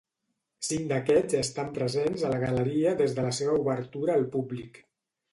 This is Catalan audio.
Cinc d'aquests estan presents a la galeria des de la seva obertura al públic.